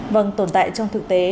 vâng tồn tại trong thực tế